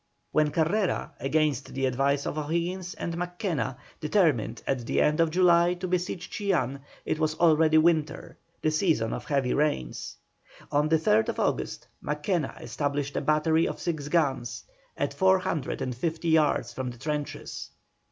When Carrera, against the advice of O'Higgins and Mackenna, determined at the end of July to besiege Chillán, it was already winter, the season of heavy rains. On the 3rd August, Mackenna established a battery of six guns, at four hundred and fifty yards from the trenches.